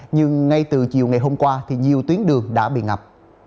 nhưng ngay từ chiều ngày hôm qua thì nhiều tuyến đường đã bị ngập